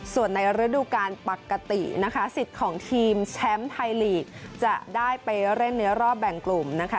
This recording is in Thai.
ส่วนในฤดูการปกตินะคะสิทธิ์ของทีมแชมป์ไทยลีกจะได้ไปเล่นในรอบแบ่งกลุ่มนะคะ